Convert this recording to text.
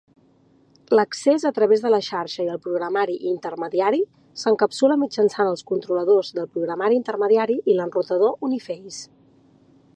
L"accés a través de la xarxa i el programari intermediari s"encapsula mitjançant els controladors del programari intermediari i l"enrutador Uniface.